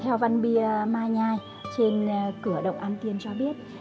theo văn bì mai nhai trên cửa động am tiên cho biết